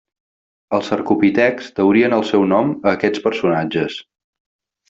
Els cercopitecs deurien el seu nom a aquests personatges.